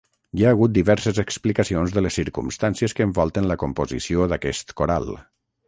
Hi ha hagut diverses explicacions de les circumstàncies que envolten la composició d'aquest coral.